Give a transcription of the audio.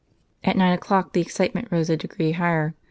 At nine o'clock the excitement rose a degree higher.